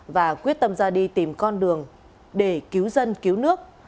và quyết tâm ra đi tìm con đường để cứu dân cứu nước